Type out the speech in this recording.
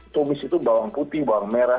tumis itu bawang putih bawang merah